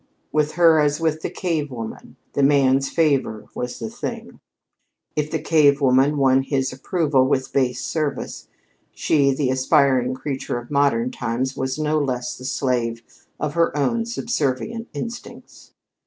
With her as with the cave woman, the man's favor was the thing! If the cave woman won his approval with base service, she, the aspiring creature of modern times, was no less the slave of her own subservient instincts!